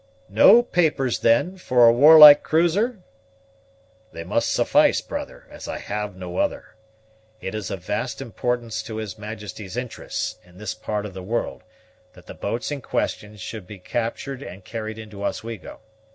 "No papers, then, for a warlike cruiser?" "They must suffice, brother, as I have no other. It is of vast importance to his Majesty's interests, in this part of the world, that the boats in question should be captured and carried into Oswego.